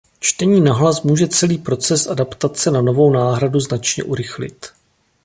Čtení nahlas může celý proces adaptace na novou náhradu značně urychlit.